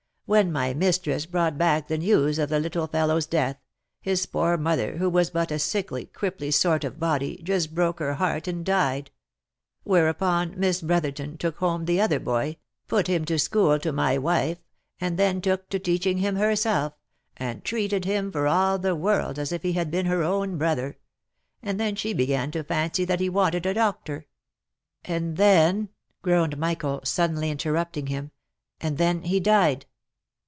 When my mistress brought back the news of the little fellow's death, his poor mother, who was but a sickly, cripply sort of body, just broke her heart and died; whereupon Miss Brother ton took home the other boy, put him to school to my wife, and then took to teaching him herself, and treated him for all the world as if he had been her own brother; and then she began to fancy that he wanted a doctor —"" And then," groaned Michael, suddenly interrupting him, —" and then he died